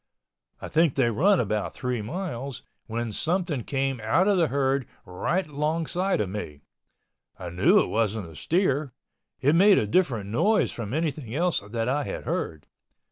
I think they run about three miles, when something came out of the herd right longside of me. I knew it wasn't a steer. It made a different noise from anything else that I had heard.